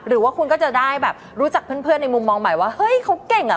หรือว่าคุณก็จะได้แบบรู้จักเพื่อนในมุมมองใหม่ว่าเฮ้ยเขาเก่งอ่ะ